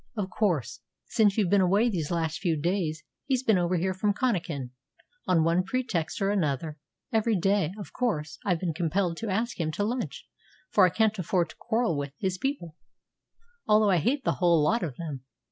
"Of course. Since you've been away these last few days he's been over here from Connachan, on one pretext or another, every day. Of course I've been compelled to ask him to lunch, for I can't afford to quarrel with his people, although I hate the whole lot of them.